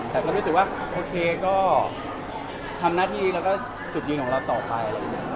แต่ก็รู้สึกว่าโอเคก็ทำหน้าที่แล้วก็จุดยืนของเราต่อไป